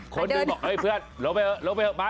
คนดื่มบอกเฮ้ยเพื่อนลงไปเหอะลงไปเหอะไป